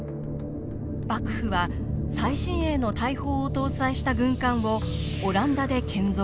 幕府は最新鋭の大砲を搭載した軍艦をオランダで建造。